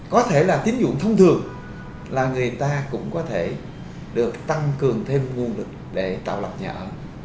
có thể là tín dụng thông thường là người ta cũng có thể được tăng cường thêm nguồn lực để tạo lập nhà ở